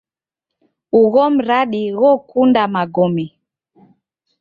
Ugho mradi ghokunda magome.